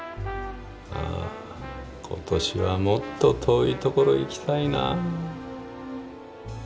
あ今年はもっと遠いところ行きたいな。